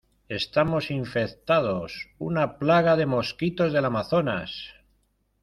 estamos infectados. una plaga de mosquitos del Amazonas .